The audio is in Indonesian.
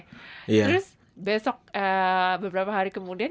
terus besok beberapa hari kemudian